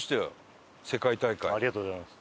ありがとうございます。